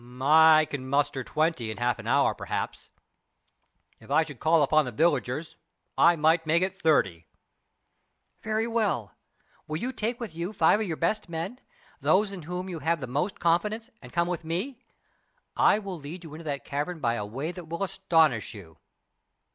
"I can muster twenty in half an hour, perhaps; if I should call upon the villagers, I might make it thirty." "Very well will you take with you five of your best men those in whom you have the most confidence, and come with me? I will lead you into that cavern by a way that will astonish you."